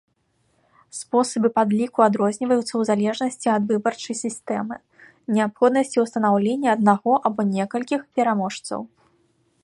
Спосабы падліку адрозніваюцца ў залежнасці ад выбарчай сістэмы, неабходнасці ўстанаўлення аднаго або некалькіх пераможцаў.